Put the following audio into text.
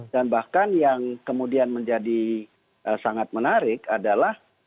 dan bahkan yang kemudian menjadi sangat menarik adalah